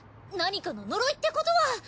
何かの呪いってことは？